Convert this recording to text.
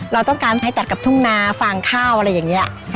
เราต้องการให้ตัดกับทุ่งนาฟางข้าวอะไรอย่างนี้